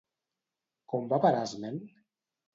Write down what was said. Com va parar esment?